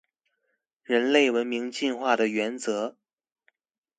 人類文明進化的原則